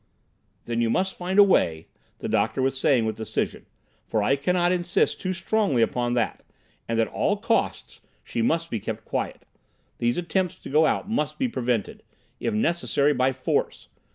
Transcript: "Then you must find a way," the doctor was saying with decision; "for I cannot insist too strongly upon that—and at all costs she must be kept quiet. These attempts to go out must be prevented—if necessary, by force.